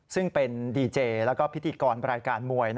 ซึ่งเป็นดีเจแล้วก็พิธีกรรายการมวย